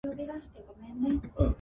蛾の我が強い